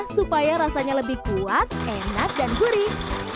supaya rasanya lebih kuat enak dan gurih